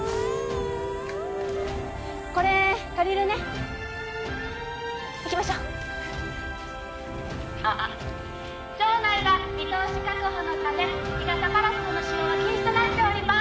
これ借りるね行きましょうアッアッ場内は見通し確保のため日傘・パラソルの使用は禁止となっております